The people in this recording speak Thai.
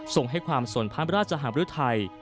ทรงให้ความส่วนพระราชอาหารบริวทัย